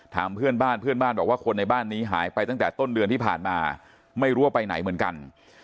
ถามเพื่อนบ้านเพื่อนบ้านบอกว่าคนในบ้านนี้หายไปตั้งแต่ต้นเดือนที่ผ่านมาไม่รู้ว่าไปไหนเหมือนกัน